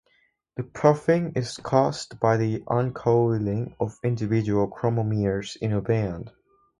The puffing is caused by the uncoiling of individual chromomeres in a band.